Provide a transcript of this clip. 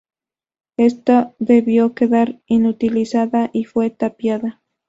Esta debió quedar inutilizada y fue tapiada.